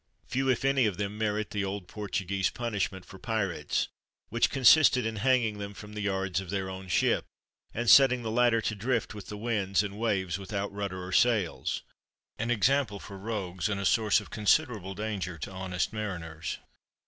Few, if any, of them merit the old ON PIKATES 187 Portuguese punishment for pirates, which consisted in hanging them from the yards of their own ship, and setting the latter to drift with the winds and waves without rudder or sails, an example for rogues and a source of considerable danger to honest mariners.